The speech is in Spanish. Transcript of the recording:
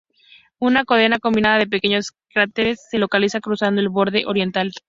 Una cadena combinada de pequeños cráteres se localiza cruzando el borde oriental.